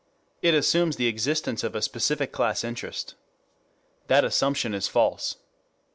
It assumes the existence of a specific class interest. That assumption is false.